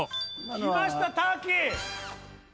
きましたターキー！